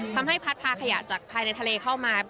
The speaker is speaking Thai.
ทำให้เพาะคยะผายในทะเลเข้ามา